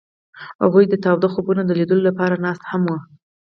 هغوی د تاوده خوبونو د لیدلو لپاره ناست هم وو.